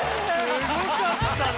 すごかったね